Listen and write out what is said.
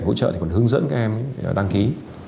hỗ trợ thì còn hướng dẫn các em đăng ký